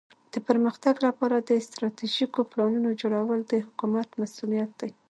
د پرمختګ لپاره د استراتیژیکو پلانونو جوړول د حکومت مسؤولیت دی.